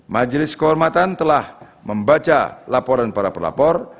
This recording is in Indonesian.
majelis kehormatan telah membaca laporan para pelapor